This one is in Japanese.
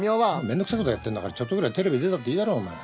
めんどくさいことやってんだからちょっとぐらいテレビ出たっていいだろお前。